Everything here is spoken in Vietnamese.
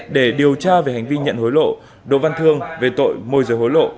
để điều tra về hành vi nhận hối lộ đỗ văn thương về tội môi rời hối lộ